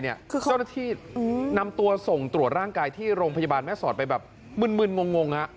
เจ้าหน้าที่นำตัวส่งตรวจร่างกายที่โรงพยาบาลแม่สอดไปแบบมึนงง